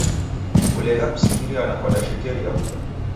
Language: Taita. Kulegha kusikirana kwadashekeria w'uda